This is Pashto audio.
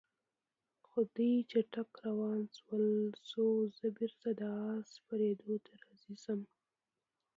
خو دوی چټک روان شول، څو زه بېرته د آس سپرېدو ته راضي شم.